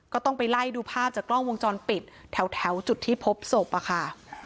ก็ต้องไปไล่ดูภาพจากกล้องวงจรปิดแถวจุดที่พบศพอะค่ะ